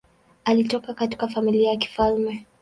Alitoka katika familia ya kifalme.